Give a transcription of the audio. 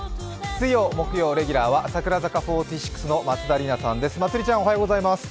水曜、木曜レギュラーは櫻坂４６の松田里奈さんです。